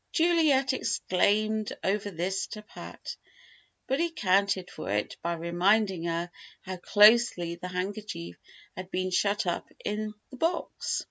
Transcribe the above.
Juliet exclaimed over this to Pat, but he accounted for it by reminding her how closely the handkerchief had been shut up in the box.